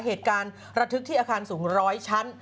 เหตุการณ์ระทึกที่อาคารสูง๑๐๐ชั้น